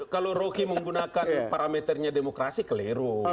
kalau rocky menggunakan parameternya demokrasi keliru